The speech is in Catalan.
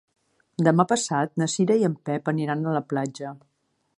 Demà passat na Cira i en Pep aniran a la platja.